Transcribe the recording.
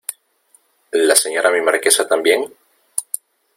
¿ la Señora mi Marquesa también?